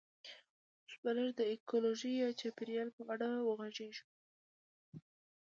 اوس به لږ د ایکولوژي یا چاپیریال په اړه وغږیږو